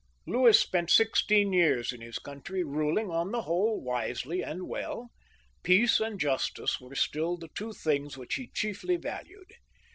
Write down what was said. Louis spent sixteen years in his country, ruling on the whole wisely and well. Peace and justice were still the two things which he chiefly valued.